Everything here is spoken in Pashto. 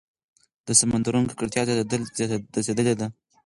د سمندرونو ککړتیا زیاتېدلې ده.